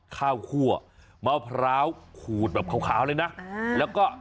คั่วมะพร้าวขูดแบบขาวเลยนะแล้วก็